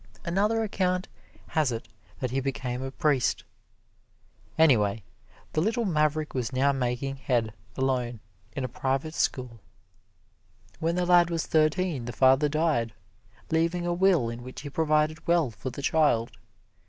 Another account has it that he became a priest. Anyway, the little maverick was now making head alone in a private school. When the lad was thirteen the father died, leaving a will in which he provided well for the child.